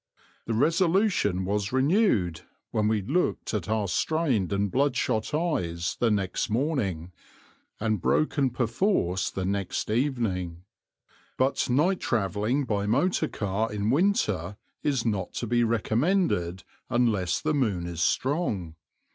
The resolution was renewed when we looked at our strained and bloodshot eyes the next morning, and broken perforce the next evening; but night travelling by motor car in winter is not to be recommended unless the moon is strong.